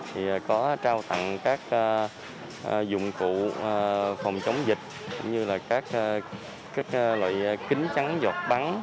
thì có trao tặng các dụng cụ phòng chống dịch cũng như là các loại kính trắng giọt bắn